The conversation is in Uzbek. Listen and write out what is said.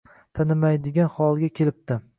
Tanimaydigan holga kelibdi.